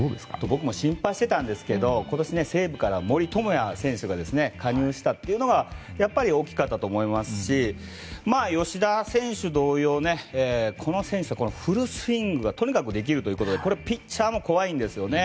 僕も心配していたんですが今年、西武から森友哉選手が加入したというのがやはり大きかったと思いますし吉田選手同様この選手はフルスイングがとにかくできるということでピッチャーも怖いんですよね。